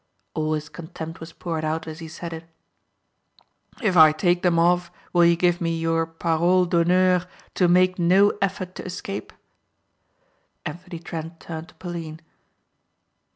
All his contempt was poured out as he said it. "If I take them off will you give me your parole d'honneur to make no effort to escape?" Anthony Trent turned to Pauline.